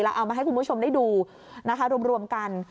แล้วเอามาให้คุณผู้ชมได้ดูรวมกัน